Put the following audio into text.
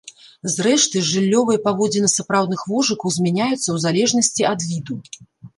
Зрэшты, жыллёвыя паводзіны сапраўдных вожыкаў змяняюцца ў залежнасці ад віду.